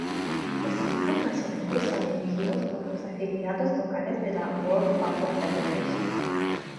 Los equipos nacionales son elegidos por los afiliados locales de la World Puzzle Federation.